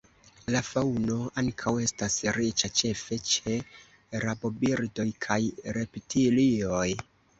La faŭno ankaŭ estas riĉa, ĉefe ĉe rabobirdoj kaj reptilioj.